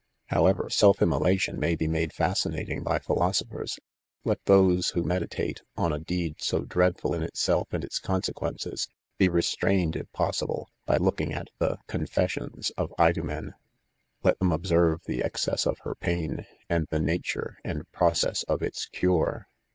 However self immolation may he made fascinating by philosophers, let tho3e who meditate on a deed so dread ful in itself and its consequences, be restrained, if possi ble, by looking at the a Confessions 55 ' of Idomen, Lei them observe the excess of her pain r and the nature and process of its eure.